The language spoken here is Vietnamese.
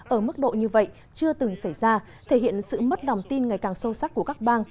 ở mức độ như vậy chưa từng xảy ra thể hiện sự mất đồng tin ngày càng sâu sắc của các bang